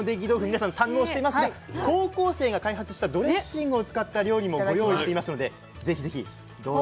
皆さん堪能していますが高校生が開発したドレッシングを使った料理もご用意していますので是非是非どうぞ！